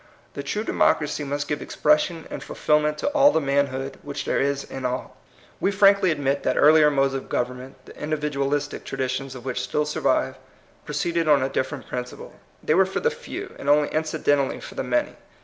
The true democracy must give expression and fulfilment to all the manhood which there is in all. We frankly admit that earlier modes of government, the individualistic tradi tions of which still survive, proceeded on a different principle. They were for the few, and only incidentally for the many.